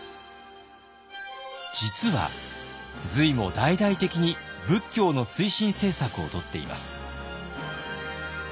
実は隋も大々的に仏教の推進政策をとっています。